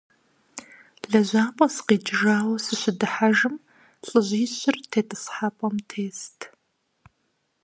ЛэжьапӀэ сыкъикӀыжауэ сыщыдыхьэжым, лӏыжьищыр тетӀысхьэпӀэм тест.